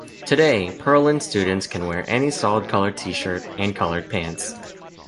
Today, Pearland students can wear any solid color t-shirt and colored pants.